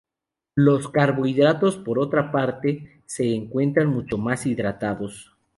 Los carbohidratos, por otra parte, se encuentran mucho más hidratados.